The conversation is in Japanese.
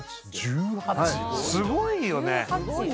すごいよね。